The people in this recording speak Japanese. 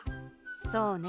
そうね。